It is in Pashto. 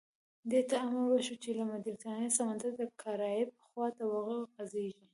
دې ته امر وشو چې له مدیترانې سمندره د کارائیب خوا ته وخوځېږي.